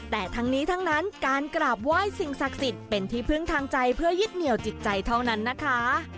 แต่ทั้งนี้ทั้งนั้นการกราบไหว้สิ่งศักดิ์สิทธิ์เป็นที่พึ่งทางใจเพื่อยึดเหนียวจิตใจเท่านั้นนะคะ